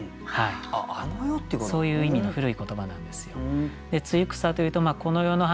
そういう意味の古い言葉なんですよ。